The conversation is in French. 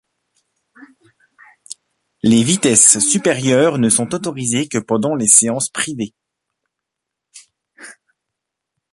Les vitesse supérieures ne sont autorisées que pendant les séances privées.